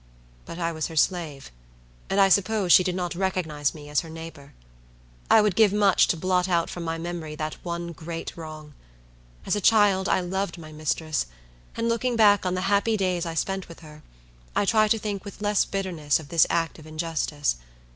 But I was her slave, and I suppose she did not recognize me as her neighbor. I would give much to blot out from my memory that one great wrong. As a child, I loved my mistress; and, looking back on the happy days I spent with her, I try to think with less bitterness of this act of injustice.